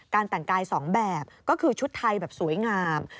แต่งกาย๒แบบก็คือชุดไทยแบบสวยงาม